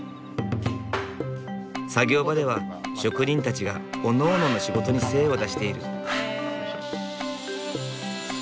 作業場では職人たちがおのおのの仕事に精を出している。